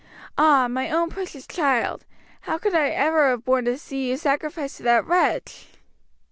"Ah, my own precious child, how could I ever have borne to see you sacrificed to that wretch!"